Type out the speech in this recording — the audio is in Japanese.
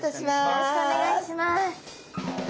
よろしくお願いします。